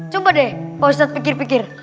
coba deh pak ustadz pikir pikir